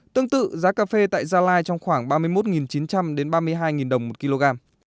tương tự giá cà phê tại gia lai trong khoảng ba mươi một chín trăm linh đến ba mươi hai đồng một kg